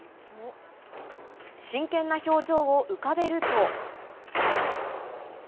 真剣な表情を浮かべると。